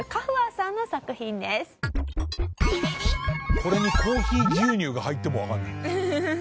これにコーヒー牛乳が入ってもわからない。